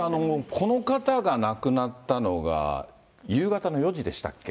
これ、この方が亡くなったのが夕方の４時でしたっけ。